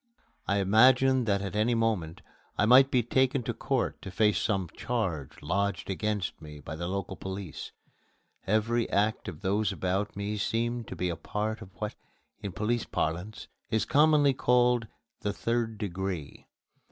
I imagined that at any moment I might be taken to court to face some charge lodged against me by the local police. Every act of those about me seemed to be a part of what, in police parlance, is commonly called the "Third Degree."